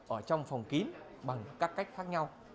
ở trong phòng kín bằng các cách khác nhau